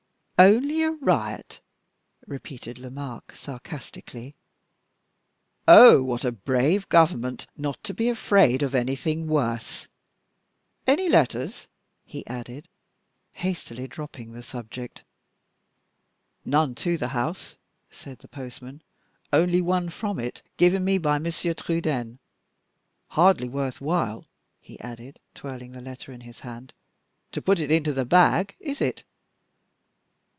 "Only a riot!" repeated Lomaque, sarcastically. "Oh, what a brave Government not to be afraid of anything worse! Any letters?" he added, hastily dropping the subject. "None to the house," said the postman, "only one from it, given me by Monsieur Trudaine. Hardly worth while," he added, twirling the letter in his hand, "to put it into the bag, is it?"